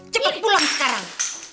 cepet pulang sekarang